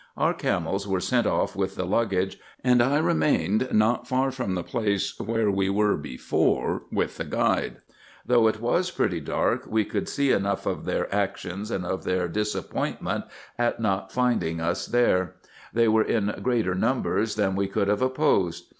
Our camels were sent off with the luggage, and I remained not far from the place where we were before with the guide. Though it was pretty dark, we could see IN EGYPT, NUBIA, &c. 427 enough of their actions and of their disappointment at not finding us there : they were in greater numbers than we could have opposed.